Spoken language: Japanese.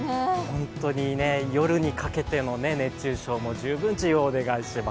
本当に夜にかけての熱中症も十分注意をお願いします。